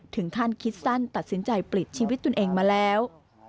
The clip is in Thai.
ถึงขั้นคิดสั้นตัดสินใจปลิดชีวิตตนเองมาแล้ว